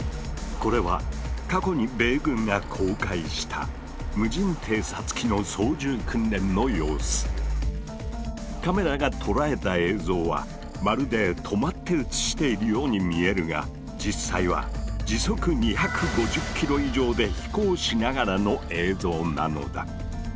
これは過去に米軍が公開したカメラが捉えた映像はまるで止まって写しているように見えるが実際は時速２５０キロ以上で飛行しながらの映像なのだ。